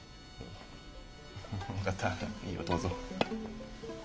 分かったいいよどうぞ。